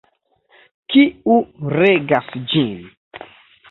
Kiu regas ĝin?